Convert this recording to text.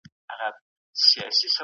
الله له زحمت کښونکو سره دی.